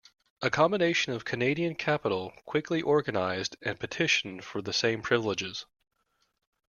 A combination of Canadian capital quickly organized and petitioned for the same privileges.